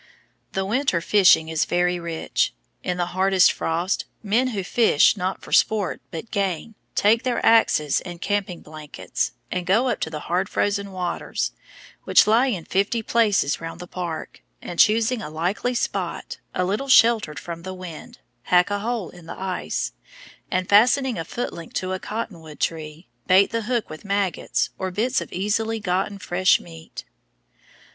The winter fishing is very rich. In the hardest frost, men who fish not for sport, but gain, take their axes and camping blankets, and go up to the hard frozen waters which lie in fifty places round the park, and choosing a likely spot, a little sheltered from the wind, hack a hole in the ice, and fastening a foot link to a cotton wood tree, bait the hook with maggots or bits of easily gotten fresh meat.